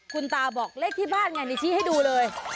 คุณตาบอกเลขที่บ้านไงนี่ชี้ให้ดูเลย